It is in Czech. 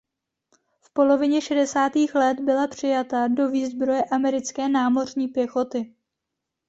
V polovině šedesátých let byla přijata do výzbroje americké námořní pěchoty.